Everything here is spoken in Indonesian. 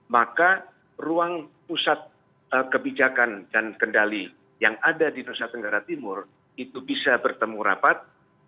maka ruang pusat kebijakan dan kendali yang ada di nusa tenggara timur itu bisa bertemu rapat